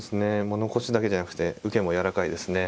物腰だけじゃじゃなくて受けもやわらかいですね。